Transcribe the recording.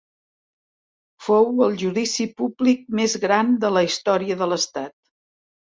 Fou el judici públic més gran de la historia de l'estat.